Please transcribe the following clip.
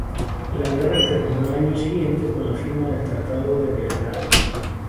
La guerra terminó el año siguiente con la firma del Tratado de Belgrado.